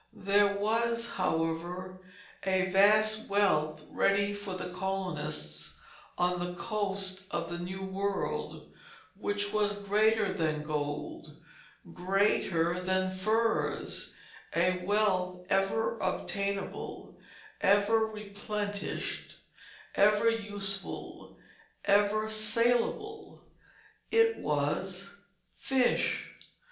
There was, however, a vast wealth ready for the colonists on the coast of the New World which was greater than gold, greater than furs; a wealth ever obtainable, ever replenished, ever useful, ever salable; it was fish.